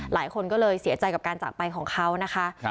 หลายคนก็เลยเสียใจกับการจากไปของเขานะคะ